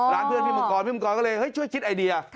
ร้านเพื่อนพี่มังกรก็เลยช่วยคิดไอเดีย